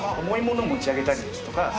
重いもの持ち上げたりですとか。